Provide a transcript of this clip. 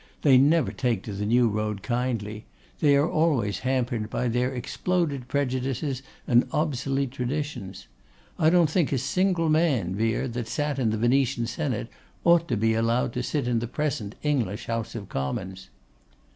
They never take to the new road kindly. They are always hampered by their exploded prejudices and obsolete traditions. I don't think a single man, Vere, that sat in the Venetian Senate ought to be allowed to sit in the present English House of Commons.